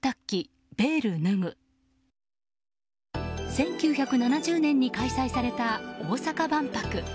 １９７０年に開催された大阪万博。